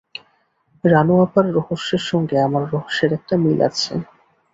রানু আপার রহস্যের সঙ্গে আমার রহস্যের একটা মিল আছে।